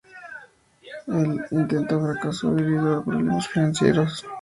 El intento fracasó debido a problemas financieros.